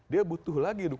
dia butuh lagi dukungan